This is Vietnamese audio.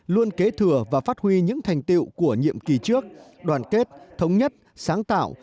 luôn kế thừa và phát huy những thành tiệu của nhiệm kỳ trước đoàn kết thống nhất sáng tạo